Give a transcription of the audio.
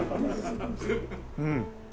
うん。